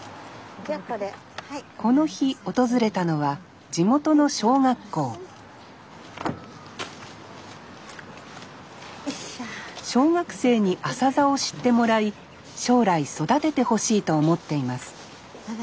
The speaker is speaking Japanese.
この日訪れたのは地元の小学校小学生にアサザを知ってもらい将来育ててほしいと思っています